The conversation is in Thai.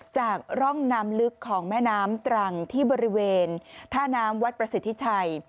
จากร่องน้ำลึกของแม่น้ำตรังที่บริเวณท่าน้ำวัดประสิทธิชัย